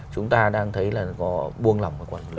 chúng ta đang thấy là có buông lỏng và quản lý